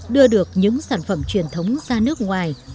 đưa được những sản phẩm truyền thống ra nước ngoài